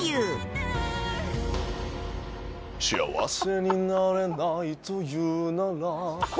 「幸せになれないというなら」